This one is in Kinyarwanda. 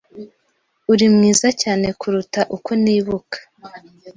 Uri mwiza cyane kuruta uko nibuka.